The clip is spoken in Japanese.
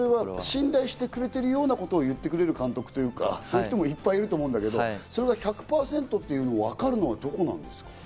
信頼してくれてるようなことを言ってくれる監督というそういう方もいっぱいいると思うけど１００％と分かるのはどこですか？